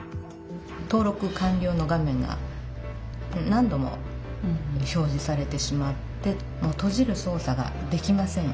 登録完りょうの画面が何度も表じされてしまってもうとじるそう作ができません。